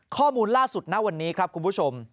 ข้อมูลล่าสุดณวันนี้ครับคุณผู้ชม